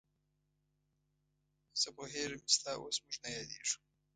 زه پوهېږم چې ستا اوس موږ نه یادېږو.